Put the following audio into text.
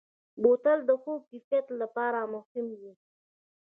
بوتل د ښو کیفیت لپاره مهم وي.